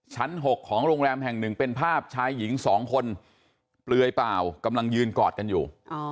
ชั้น๖ของโรงแรมแห่งหนึ่งเป็นภาพชายหญิง๒คนเปลือยเปล่ากำลังยืนกอดกันอยู่